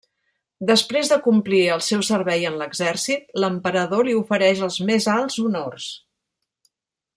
Després de complir el seu servei en l'exèrcit, l'Emperador li ofereix els més alts honors.